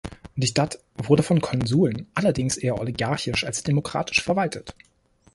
Die Stadt wurde von Konsuln, allerdings eher oligarchisch als demokratisch, verwaltet.